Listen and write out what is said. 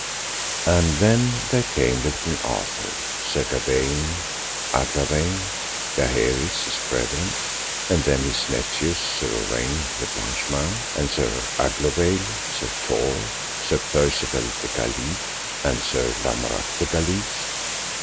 And then there came with King Arthur Sir Gawaine, Agravaine, Gaheris, his brethren. And then his nephews Sir Uwaine le Blanchemains, and Sir Aglovale, Sir Tor, Sir Percivale de Galis, and Sir Lamorak de Galis.